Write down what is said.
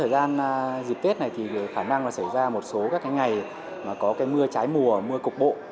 thời gian dịp tết này thì khả năng là xảy ra một số các cái ngày mà có mưa trái mùa mưa cục bộ